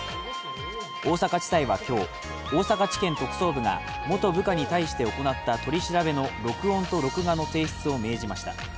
大阪地裁は今日、大阪地検特捜部が元部下に対して行った取り調べの録音と録画の提出を命じました。